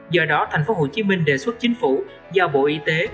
do đó thành phố hồ chí minh đề xuất chính phủ do bộ y tế